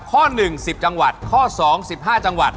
ข้อ๑๐จังหวัดข้อ๒๑๕จังหวัด